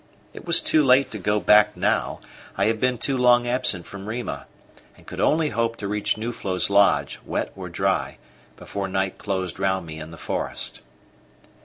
It was too late to go back now; I had been too long absent from Rima, and could only hope to reach Nuflo's lodge, wet or dry, before night closed round me in the forest.